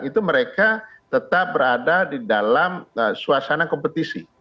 itu mereka tetap berada di dalam suasana kompetisi